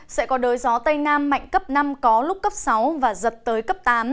sẽ có đới gió tây nam mạnh cấp năm có lúc cấp sáu và giật tới cấp tám